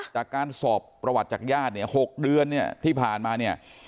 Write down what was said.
จากการสอบประวัติจักรย่า๖เดือนที่ผ่านมาเนี่ย